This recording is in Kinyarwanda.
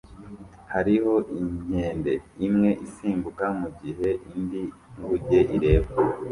Hariho inkende imwe isimbuka mugihe indi nguge ireba